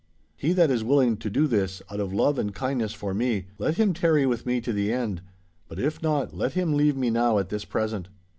He that is willing to do this, out of love and kindness for me, let him tarry with me to the end. But if not, let him leave me now at this present!